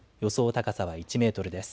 高さは１メートルです。